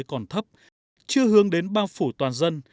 chưa hướng đến băng phủ toàn dân